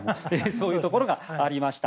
そういうところがありました。